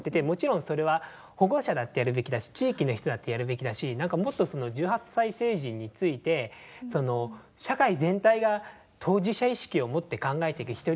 もちろんそれは保護者だってやるべきだし地域の人だってやるべきだし何かもっとその１８歳成人について社会全体が当事者意識を持って考えてく。